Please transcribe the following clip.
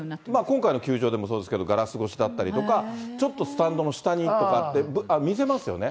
今回の球場でもそうですけど、ガラス越しだったりとか、ちょっとスタンドの下にとかって、見せますよね。